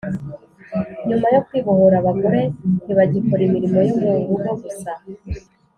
nyuma yo kwibohora abagore ntibagikora imirimo yo mu rugo gusa